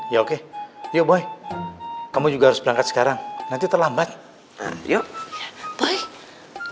ya oke yuk boy kamu juga harus berangkat sekarang nanti terlambat yuk